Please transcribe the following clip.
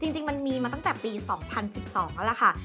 จริงมันมีมาตั้งแต่ปี๒๐๑๒แล้วล่ะค่ะ